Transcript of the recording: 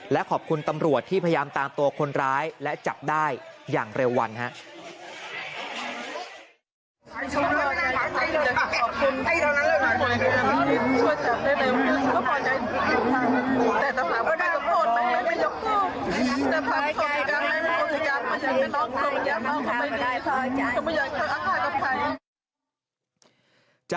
และขอบคุณตำรวจที่พยายามตามตัวคนร้ายและจับได้อย่างเร็ววันครับ